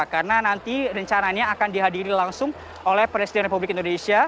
karena nanti rencananya akan dihadiri langsung oleh presiden republik indonesia